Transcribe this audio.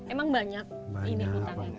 emang banyak ini hutangnya